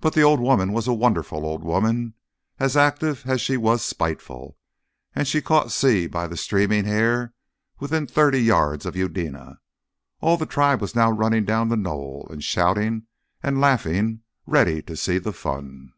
But the old woman was a wonderful old woman, as active as she was spiteful, and she caught Si by the streaming hair within thirty yards of Eudena. All the tribe now was running down the knoll and shouting and laughing ready to see the fun.